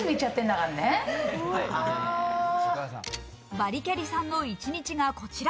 バリキャリさんの一日がこちら。